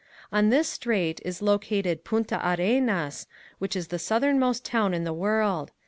On this strait is located Punta Arenas, which is the southernmost town in the world.